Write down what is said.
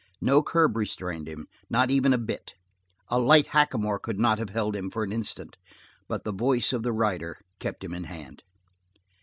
No curb restrained him, not even a bit; the light hackamore could not have held him for an instant, but the voice of the rider kept him in hand.